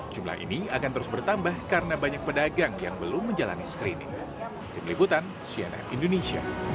jumlah ini akan terus bertambah karena banyak pedagang yang belum menjalani screening